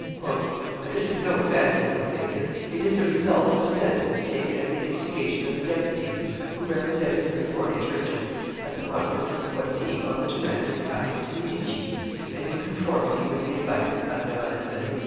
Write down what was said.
"And this is no fanciful figure; it is the result of a census taken at the instigation of the deputies who represented the reformed churches at the conference of Poissy on the demand of Catherine de' Medici, and in conformity with the advice of Admiral de Coligny."